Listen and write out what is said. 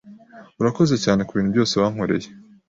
Urakoze cyane kubintu byose wankoreye.